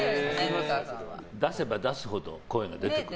出せば出すほど声が出てくるの。